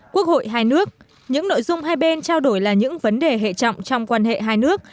quốc hội hai nước những nội dung hai bên trao đổi là những vấn đề hệ trọng trong quan hệ hai nước